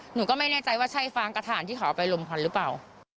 หนูก็ไม่แน่ใจว่าใช่ฟางกระถ่านที่เขาเอาไปลมควันหรือเปล่า